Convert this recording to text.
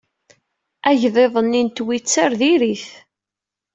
Agḍiḍ-nni n Twitter diri-t.